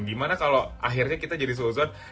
gimana kalau akhirnya kita jadi sozon